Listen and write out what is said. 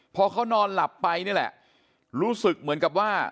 พอเขานอนหลับไปนี่แหละรู้สึกเหมือนกับว่า